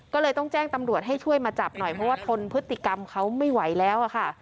ก็เลยต้องแจ้งตำรวจให้ช่วยมาจับหน่อยเพราะว่าทนพฤติกรรมเขาไม่ไหวแล้วค่ะ